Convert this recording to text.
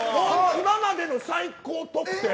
今までの最高得点。